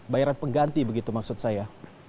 bayaran pengganti begitu maksud saya